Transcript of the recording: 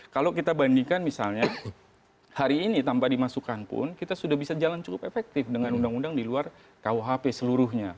kalau kita bandingkan misalnya hari ini tanpa dimasukkan pun kita sudah bisa jalan cukup efektif dengan undang undang di luar kuhp seluruhnya